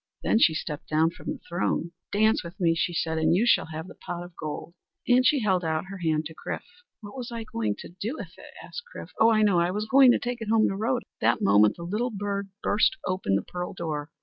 Then she stepped down from the throne. "Dance with me," she said, "and you shall have the pot of gold," and she held out her hand to Chrif. "What was I to do with it?" asked Chrif. "Oh, I know. I was to take it home to Rhoda." That moment the little bird burst open the pearl door.